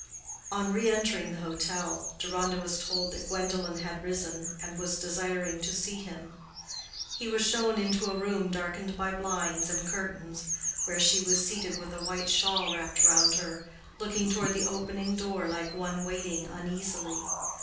On re entering the hotel, Deronda was told that Gwendolen had risen, and was desiring to see him. He was shown into a room darkened by blinds and curtains, where she was seated with a white shawl wrapped round her, looking toward the opening door like one waiting uneasily.